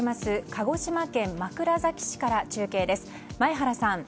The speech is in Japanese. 鹿児島県枕崎市から中継です。